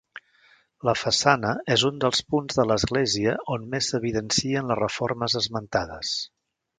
La façana és un dels punts de l'església on més s'evidencien les reformes esmentades.